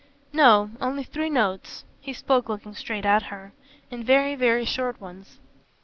"No. Only three notes." He spoke looking straight at her. "And very, very short ones."